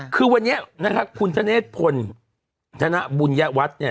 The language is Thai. คือวันนี้นะครับคุณท่านเนธพลท่านหน้าบุญญาวัฒน์เนี่ย